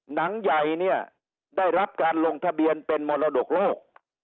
หนังใหญ่เนี่ยได้รับการลงทะเบียนเป็นมรดกโลก